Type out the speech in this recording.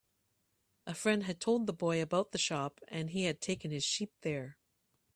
A friend had told the boy about the shop, and he had taken his sheep there.